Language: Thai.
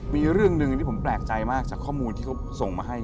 มีเรื่องหนึ่งที่ผมแปลกใจมากจากข้อมูลที่เขาส่งมาให้